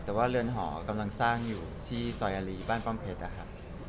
แต่ว่าเรือนหอกำลังสร้างอยู่ที่ซอยอารีบ้านป้อมเพชรนะครับ